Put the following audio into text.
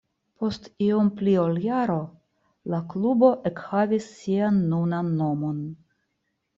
Post iom pli ol jaro la klubo ekhavis sian nunan nomon.